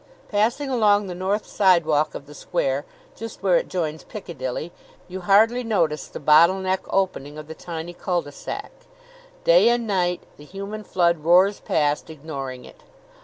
Passing along the north sidewalk of the square, just where it joins Piccadilly, you hardly notice the bottleneck opening of the tiny cul de sac. Day and night the human flood roars past, ignoring it.